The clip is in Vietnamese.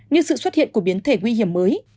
như sự xuất hiện của biến thể nguy hiểm mới